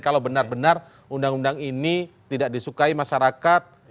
kalau benar benar undang undang ini tidak disukai masyarakat